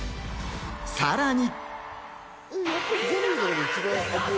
さらに。